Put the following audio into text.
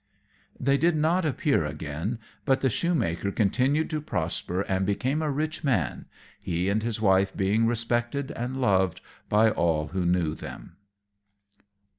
_] They did not appear again; but the Shoemaker continued to prosper, and became a rich man; he and his wife being respected and loved by all who knew them.